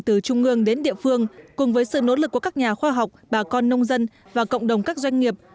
từ trung ương đến địa phương cùng với sự nỗ lực của các nhà khoa học bà con nông dân và cộng đồng các doanh nghiệp